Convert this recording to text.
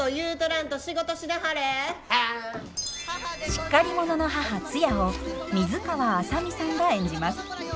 しっかり者の母ツヤを水川あさみさんが演じます。